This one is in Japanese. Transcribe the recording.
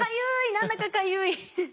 何だかかゆい。